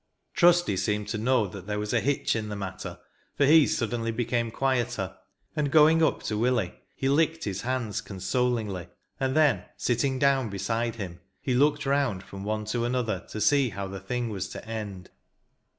" Trusty" seemed to know that there was a hitch in the matter, for he suddenly became quieter; and, going up to Willie, he licked his hands consolingly, and then sitting down beside him, he looked'round from one to another, to see how the thing was to end.